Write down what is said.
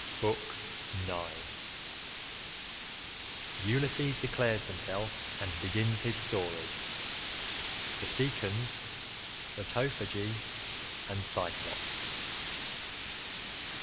BOOK IX ULYSSES DECLARES HIMSELF AND BEGINS HIS STORY— THE CICONS, LOTOPHAGI, AND CYCLOPES.